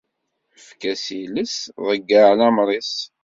Efk-as iles ḍeyyeɛ leɛmeṛ-is.